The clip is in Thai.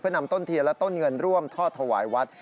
นำต้นเทียนและต้นเงินร่วมทอดถวายวัด